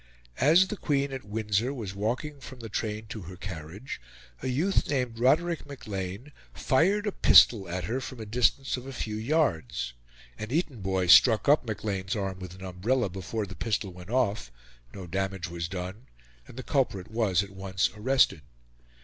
As the Queen, at Windsor, was walking from the train to her carriage, a youth named Roderick Maclean fired a pistol at her from a distance of a few yards. An Eton boy struck up Maclean's arm with an umbrella before the pistol went off; no damage was done, and the culprit was at once arrested.